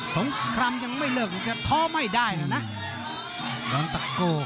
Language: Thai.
สองคลัมยังไม่เหลือจริบจะท้อไม่ได้เลยนะ